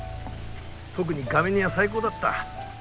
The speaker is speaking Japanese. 特にがめ煮は最高だった。